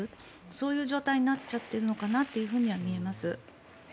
そういう状態になっちゃっているのかなというふうに見えます。